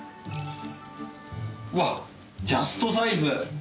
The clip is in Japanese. うわっジャストサイズ。